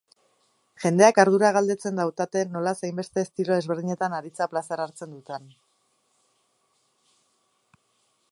Jendeak ardura galdetzen dautate nolaz hainbeste estilo desberdinetan aritzea plazer hartzen dutan.